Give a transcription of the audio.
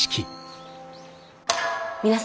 皆様